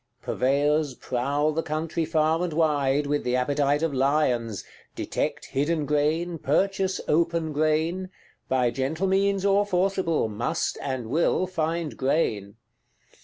Purveyors prowl the country far and wide, with the appetite of lions; detect hidden grain, purchase open grain; by gentle means or forcible, must and will find grain.